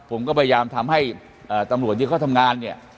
ผมก็พยายามทำให้ตำรวจที่เขาทำงานเนี่ย